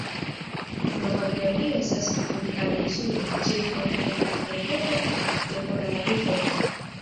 Nova Georgio estas vulkana insulo, ĉirkaŭita en kelkaj lokoj de korala rifo.